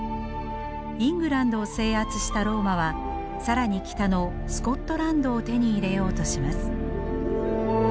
イングランドを制圧したローマは更に北のスコットランドを手に入れようとします。